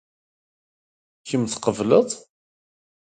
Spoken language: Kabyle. Kemm tqeble?.